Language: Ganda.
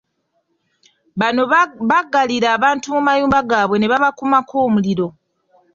Bano baggalira abantu mu mayumba gaabwe ne babakumako omuliro .